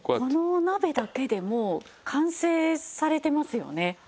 このお鍋だけでもう完成されてますよね。